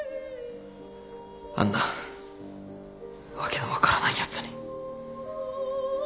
あんな訳の分からないやつに。